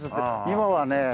今はね